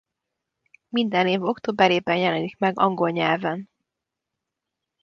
Minden év októberében jelenik meg angol nyelven.